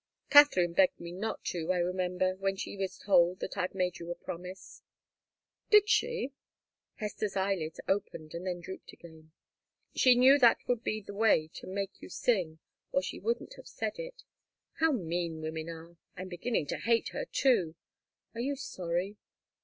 Katharine begged me not to, I remember when she was told that I'd made you a promise." "Did she?" Hester's eyelids opened and then drooped again. "She knew that would be the way to make you sing, or she wouldn't have said it. How mean women are! I'm beginning to hate her, too. Are you sorry?"